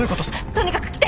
とにかく来て！